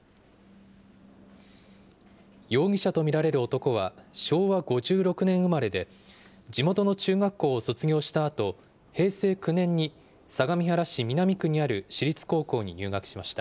容疑者と見られる男は昭和５６年生まれで、地元の中学校を卒業したあと、平成９年に相模原市南区にある私立高校に入学しました。